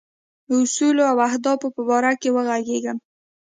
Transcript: اصولو او اهدافو په باره کې وږغېږم.